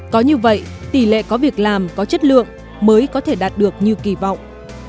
có như vậy tỷ lệ có việc làm có chất lượng mới có thể đạt được như kỳ vọng